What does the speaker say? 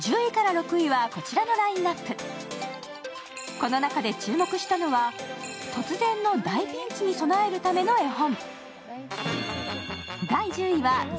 この中で注目したのは、突然の大ピンチに備えるための絵本。